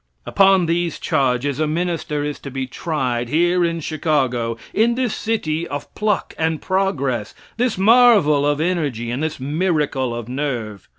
Upon these charges a minister is to be tried, here in Chicago; in this city of pluck and progress this marvel of energy, and this miracle of nerve.